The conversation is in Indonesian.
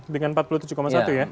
dengan empat puluh tujuh satu ya